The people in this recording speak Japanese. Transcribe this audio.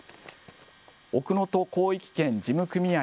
奥能登広域圏事務組合